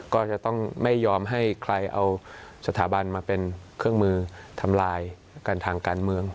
ก็จะต้องไม่ยอมให้ใครเอาสถาบันมาเป็นเครื่องมือทำลายกันทางการเมือง